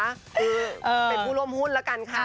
เป็นผู้ร่วมหุ้นแล้วกันค่ะ